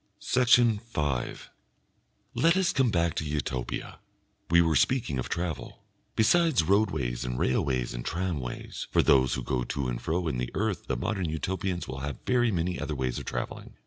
Section 5 Let us come back to Utopia. We were speaking of travel. Besides roadways and railways and tramways, for those who go to and fro in the earth the Modern Utopians will have very many other ways of travelling.